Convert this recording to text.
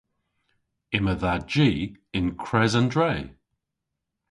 Yma dha ji yn kres an dre.